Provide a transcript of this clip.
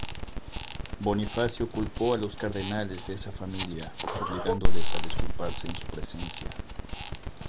Bonifacio culpó a los cardenales de esa familia, obligándoles a disculparse en su presencia.